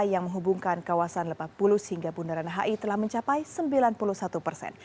yang menghubungkan kawasan lebak bulus hingga bundaran hi telah mencapai sembilan puluh satu persen